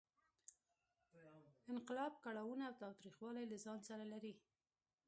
انقلاب کړاوونه او تاوتریخوالی له ځان سره لرلې.